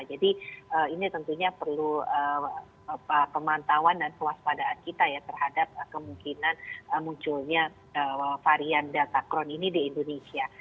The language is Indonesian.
jadi ini tentunya perlu pemantauan dan our waspadaan kita ya terhadap memungkinkan varian delta crohn ini di indonesia